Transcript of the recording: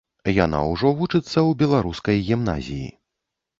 Яна ўжо вучыцца ў беларускай гімназіі.